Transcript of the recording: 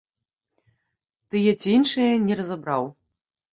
Тыя ці іншыя, не разабраў.